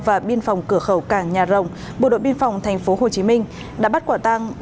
và biên phòng cửa khẩu cảng nhà rồng bộ đội biên phòng tp hcm đã bắt quả tăng